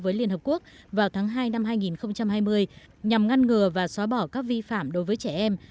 với liên hợp quốc vào tháng hai năm hai nghìn hai mươi nhằm ngăn ngừa và xóa bỏ các vi phạm đối với trẻ em